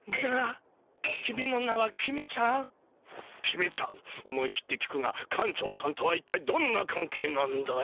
公ちゃん思い切って聞くが館長さんとはいったいどんなかん係なんだい？